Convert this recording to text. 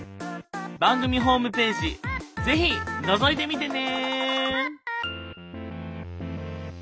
番組ホームページ是非のぞいてみてね。